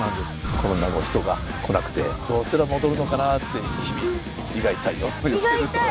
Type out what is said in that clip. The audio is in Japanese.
コロナ後人が来なくてどうすれば戻るのかなぁって日々胃が痛い思いをしてると。